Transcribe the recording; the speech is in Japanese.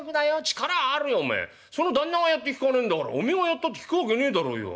その旦那がやって効かねえんだからおめえがやったって効くわけねえだろうよ」。